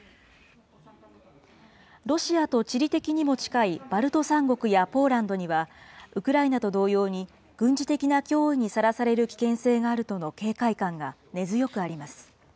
ロシアと地理的にも近いバルト３国やポーランドには、ウクライナと同様に軍事的な脅威にさらされる危険性があるとの警戒感が根強くあります。